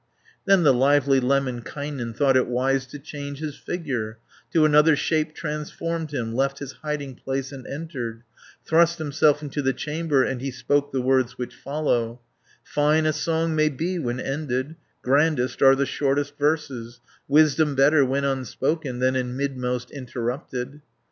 Then the lively Lemminkainen Thought it wise to change his figure, To another shape transformed him, Left his hiding place, and entered, Thrust himself into the chamber, And he spoke the words which follow; "Fine a song may be when ended, Grandest are the shortest verses, 410 Wisdom better when unspoken, Than in midmost interrupted."